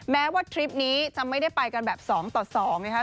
แม้ว่าทริปนี้จะไม่ได้ไปกันแบบ๒ต่อ๒นะครับ